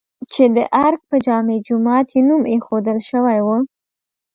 چې د ارګ په جامع جومات یې نوم ايښودل شوی و؟